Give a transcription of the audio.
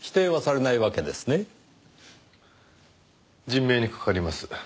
人命に関わります。